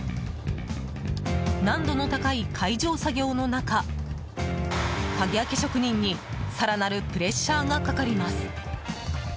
難度の高い解錠作業の中鍵開け職人に更なるプレッシャーがかかります。